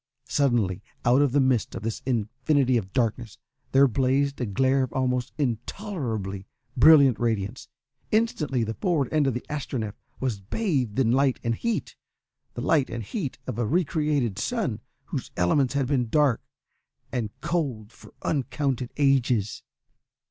Suddenly, out of the midst of this infinity of darkness, there blazed a glare of almost intolerably brilliant radiance. Instantly the forward end of the Astronef was bathed in light and heat the light and heat of a re created sun, whose elements had been dark and cold for uncounted ages.